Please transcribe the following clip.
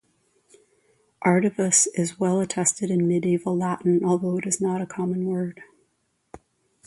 "Artavus" is well-attested in medieval Latin, although it is not a common word.